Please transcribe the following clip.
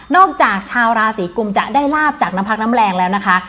จากชาวราศีกุมจะได้ลาบจากน้ำพักน้ำแรงแล้วนะคะ